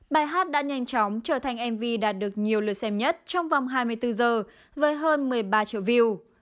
bài hát đã nhanh chóng trở thành mv đạt được nhiều lượt xem nhất trong vòng hai mươi bốn giờ với hơn một mươi ba triệu view